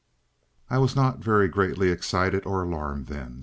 I was not very greatly excited or alarmed then.